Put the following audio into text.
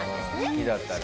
好きだったらね。